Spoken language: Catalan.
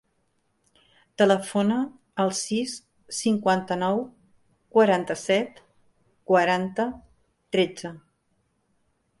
Telefona al sis, cinquanta-nou, quaranta-set, quaranta, tretze.